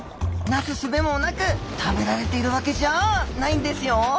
なすすべもなく食べられているワケじゃあないんですよ。